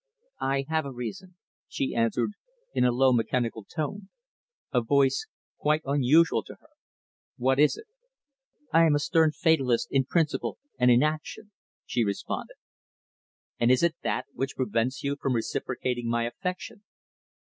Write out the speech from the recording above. "I have a reason," she answered in a low, mechanical tone, a voice quite unusual to her. "What is it?" "I am a stern fatalist in principle and in action," she responded. "And is it that which prevents you from reciprocating my affection?"